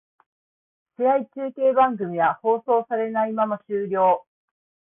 試合中継番組は放送されないまま終了